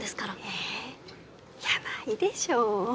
えいやないでしょ。